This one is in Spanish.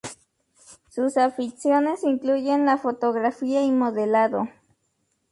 Sus aficiones incluyen la fotografía y modelado.